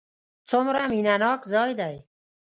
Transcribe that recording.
څومره مینه ناک ځای دی.